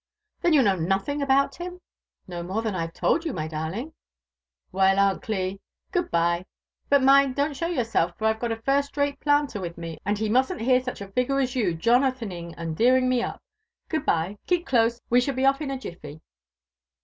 '* Then yQu know pothiog about bioa T' " No more than I h^Vf^ told you, my darlia^j;." '' Well, Am\ Cli, good b'ye; but mind, don't show yourself, for IWe got a first rate planter wUh we, and he mustn't heat such a Sgure ^ you Jo^athagiiug and de^rwg me up. Good^b'ye^keiep dase^ w^ shjU. b^ off in ajiffy."